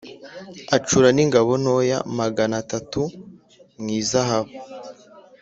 Acura n’ingabo ntoya magana atatu mu izahabu